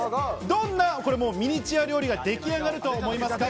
どんなミニチュア料理が出来上がると思いますか？